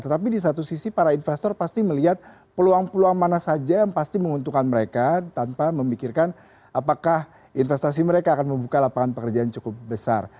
tetapi di satu sisi para investor pasti melihat peluang peluang mana saja yang pasti menguntungkan mereka tanpa memikirkan apakah investasi mereka akan membuka lapangan pekerjaan cukup besar